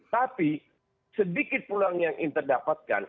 tapi sedikit peluang yang inter dapatkan